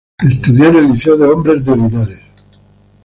Estudió en el Liceo de Hombres de Linares.